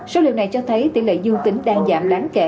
số liệu này cho thấy tỷ lệ dương tính đang giảm đáng kể